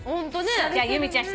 じゃあ由美ちゃん１つ。